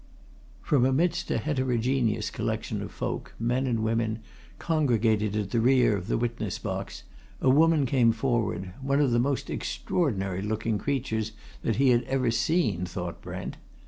From amidst a heterogeneous collection of folk, men and women, congregated at the rear of the witness box, a woman came forward one of the most extraordinary looking creatures that he had ever seen, thought Brent.